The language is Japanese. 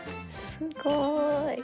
すごーい。